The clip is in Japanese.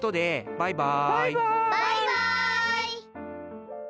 バイバイ！